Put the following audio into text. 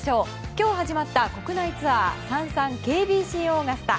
今日始まった国内ツアーサンサＫＢＣオーガスタ。